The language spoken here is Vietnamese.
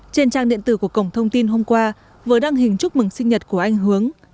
trên trang điện tử của cổng thông tin hôm qua vừa đăng hình chúc mừng sinh nhật của anh hướng